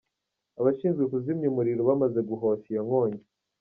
Abashinzwe kuzimya umuriro bamaze guhosha iyo nkongi.